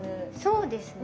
そうですね。